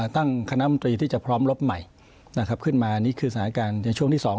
ตั้งคณะมนตรีที่จะพร้อมลบใหม่นะครับขึ้นมานี่คือสถานการณ์ในช่วงที่สอง